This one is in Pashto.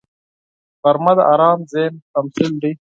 غرمه د آرام ذهن تمثیل دی